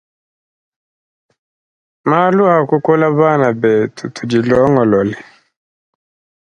Malu akukola bana betu tudi longolole.